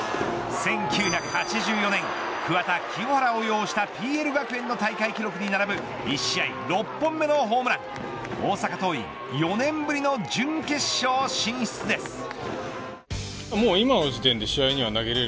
１９８４年桑田、清原を擁したＰＬ学園の大会記録に並ぶ１試合６本目のホームラン大阪桐蔭、４年ぶりの準決勝進出です。